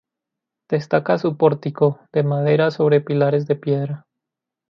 Destaca su pórtico, de madera sobre pilares de piedra.